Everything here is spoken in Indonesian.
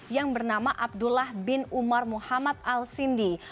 yang bernama abdullah bin umar muhammad al sindi